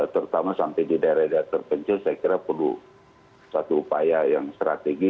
terutama sampai di daerah daerah terpencil saya kira perlu satu upaya yang strategi